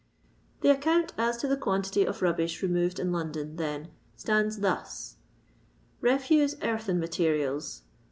The account as to the quantity of rubbish re moyed in London, then, stands thus :— Rtfuge Earthen Materials.